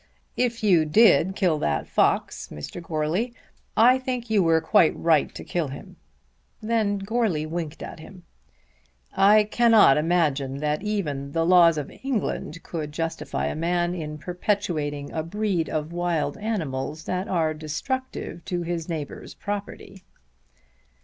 "If you did kill that fox, Mr. Goarly, I think you were quite right to kill him." Then Goarly winked at him. "I cannot imagine that even the laws of England could justify a man in perpetuating a breed of wild animals that are destructive to his neighbours' property."